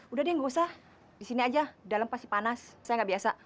udah deh gak usah di sini aja di dalam pasti panas saya gak biasa